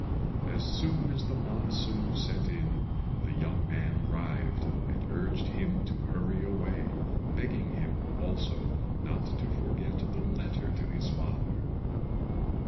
As soon as the monsoon set in the young man arrived and urged him to hurry away, begging him, also, not to forget the letter to his father.